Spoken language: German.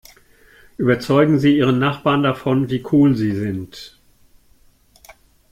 Überzeugen Sie Ihren Nachbarn davon, wie cool Sie sind!